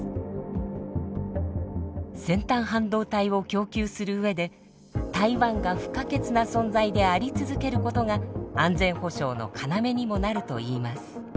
先端半導体を供給する上で台湾が不可欠な存在であり続けることが安全保障の要にもなるといいます。